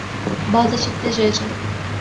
بَاضَتْ الدَّجاجَةُ.